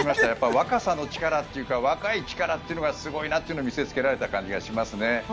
若さの力というか若い力がすごいなっていうのを見せつけられた感じがしますね。